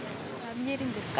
見えるんですか？